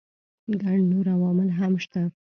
ګڼ نور عوامل هم شته.